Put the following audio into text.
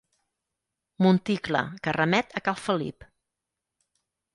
Monticle que remet a cal Felip.